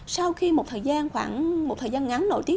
sau khi một thời gian khoảng một thời gian ngắn nổi tiếng